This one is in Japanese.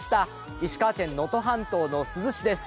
石川県、能登半島の珠洲市です。